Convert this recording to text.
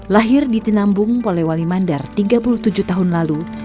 lahir di tinambung polewali mandar tiga puluh tujuh tahun lalu